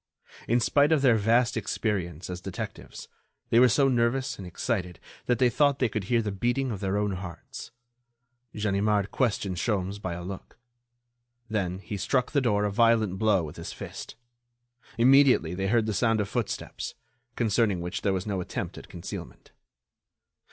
In spite of their vast experience as detectives, they were so nervous and excited that they thought they could hear the beating of their own hearts. Ganimard questioned Sholmes by a look. Then he struck the door a violent blow with his fist. Immediately they heard the sound of footsteps, concerning which there was no attempt at concealment.